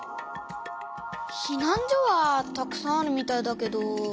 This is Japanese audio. ひなん所はたくさんあるみたいだけど。